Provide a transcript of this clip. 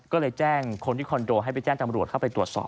ก็เลยแจ้งคนที่คอนโดให้ไปแจ้งจำรวจเข้าไปตรวจสอบ